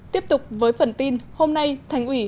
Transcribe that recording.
tiếp tục với phần tin hôm nay thành ủy